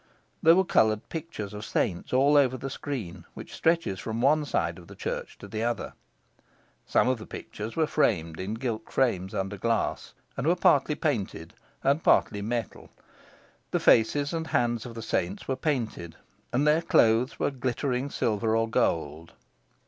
There were coloured pictures of saints all over the screen, which stretches from one side of the church to the other. Some of the pictures were framed in gilt frames under glass, and were partly painted and partly metal. The faces and hands of the saints were painted, and their clothes were glittering silver or gold.